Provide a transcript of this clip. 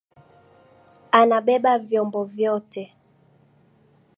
Anabeba vyombo vyote